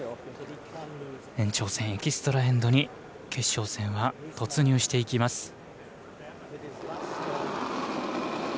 延長戦、エキストラ・エンドに決勝戦は突入していきます。